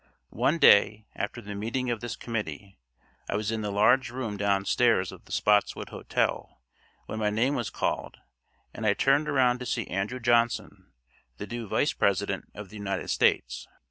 One day, after the meeting of this committee, I was in the large room downstairs of the Spotswood Hotel when my name was called, and I turned around to see Andrew Johnson, the new Vice President of the United States.